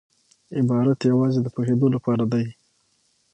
عبارت یوازي د پوهېدو له پاره دئ.